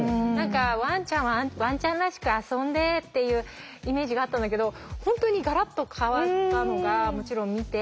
ワンちゃんはワンちゃんらしく遊んでっていうイメージがあったんだけど本当にガラッと変わったのがもちろん見て。